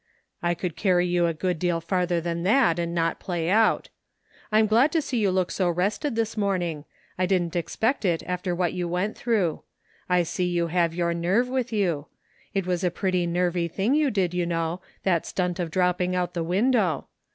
" I could carry you a good deal farther than that and not play out. I'm glad to see you look so rested this morning. I didn't expect it after what you went through. I see you have your nerve with you. It was a pretty nervy thing you did, you know, that stunt of dropping out the window.